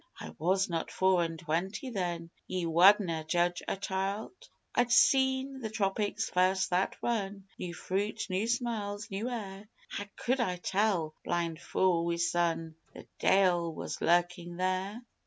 I was not four and twenty then Ye wadna' judge a child? I'd seen the Tropics first that run new fruit, new smells, new air How could I tell blind fou wi' sun the Deil was lurkin' there?